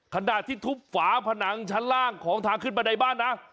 ขณะที่ทุบฝาผนังชั้นล่างของทางขึ้นบันไดบ้านนะ